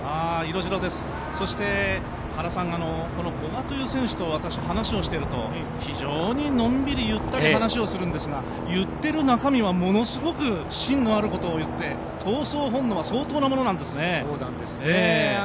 色白です、そして古賀という選手と話をしていると非常にのんびり、ゆったり話をするんですが言っている中身は、ものすごく芯のあることを言っていて闘争本能は相当なものなんですね。